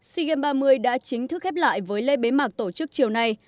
sea games ba mươi đã chính thức khép lại với lễ bế mạc tổ chức chiều nay